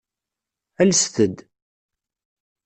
Alset-d.